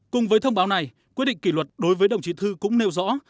cùng với thông báo này quyết định kỷ luật đối với đồng chí thư cũng nêu rõ